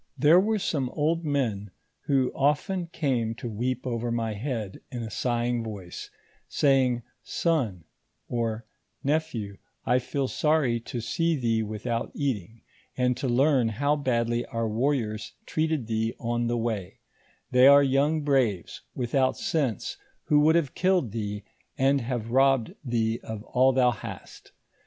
There were some old men who often came to weep over my head in a sighing voice, saying, " Son," or " Nephew, I feel sorry to see thee without eating, and to learn how badly our warriors treated thee on the way ; they are young braves, without sense, who would have killed thee, and have robbed thee of all thou hast.